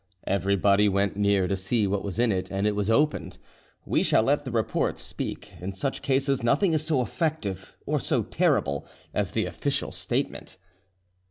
Everybody went near to see what was in it, and it was opened. We shall let the report speak: in such cases nothing is so effective or so terrible as the official statement.